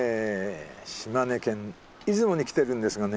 島根県出雲に来てるんですがね